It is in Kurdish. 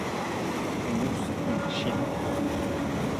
Mûz hîn şîn in.